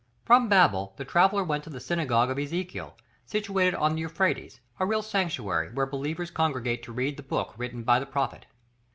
] From Babel the traveller went to the Synagogue of Ezekiel, situated on the Euphrates, a real sanctuary where believers congregate to read the book written by the prophet.